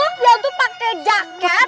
abis itu dia untuk pakai jaket